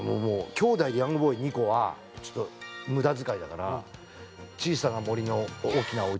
兄弟で『ヤング・ボーイ』２個はちょっと無駄遣いだから「小さな森の大きなお家」？